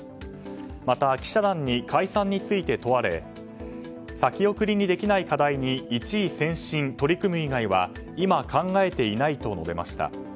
また記者団に解散について問われ先送りにできない課題に一意専心取り組む以外は今考えていないと述べました。